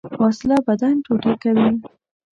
وسله بدن ټوټې کوي